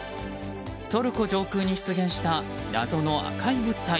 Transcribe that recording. トルコ上空に出現した謎の赤い物体。